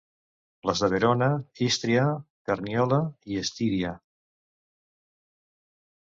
Les de Verona, Ístria, Carniola i Estíria.